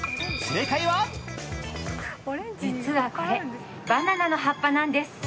実はこれ、バナナの葉っぱなんです。